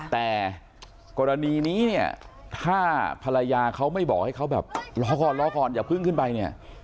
แต่กรณีนี้เนี่ยถ้าภรรยาเขาไม่บอกให้เขาแบบรอก่อนรอก่อนอย่าเพิ่งขึ้นไปเนี่ย